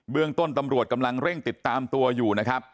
เรื่องต้นตำรวจกำลังเร่งติดตามตัวอยู่นะครับ